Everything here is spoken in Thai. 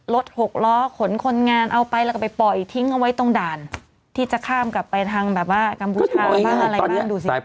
หกล้อขนคนงานเอาไปแล้วก็ไปปล่อยทิ้งเอาไว้ตรงด่านที่จะข้ามกลับไปทางแบบว่ากัมพูชาบ้างอะไรบ้างดูสิ